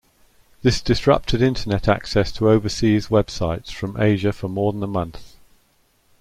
This disrupted Internet access to overseas websites from Asia for more than a month.